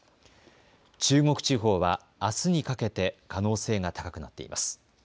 中国地方はあすにかけて可能性が高くなっています。